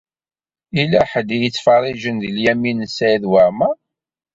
Yella ḥedd i yettfeṛṛiǧen deg Lyamin n Saɛid Waɛmeṛ.